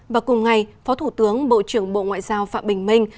và cùng ngày phó thủ tướng bộ trưởng bộ ngoại giao phạm bình minh